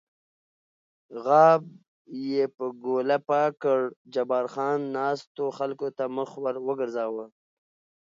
غاب یې په ګوله پاک کړ، جبار خان ناستو خلکو ته مخ ور وګرځاوه.